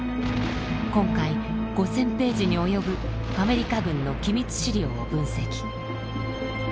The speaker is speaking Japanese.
今回５，０００ページに及ぶアメリカ軍の機密資料を分析。